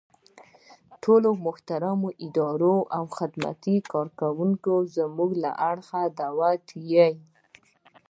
ټول محترم اداري او خدماتي کارکوونکي زمونږ له اړخه دعوت يئ.